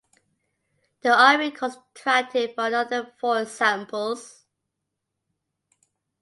The Army contracted for another four examples.